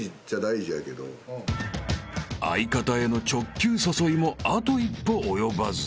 ［相方への直球誘いもあと一歩及ばず］